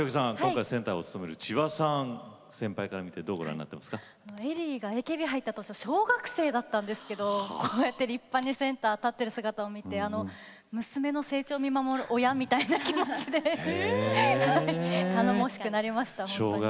今回センターを務める千葉さん恵里がＡＫＢに入ったのは小学生にだったんですけれども立派にセンターに立ってる姿を見て娘の成長を見守る親のような気持ちで頼もしく思いました。